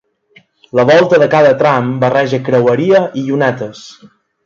La volta de cada tram barreja creueria i llunetes.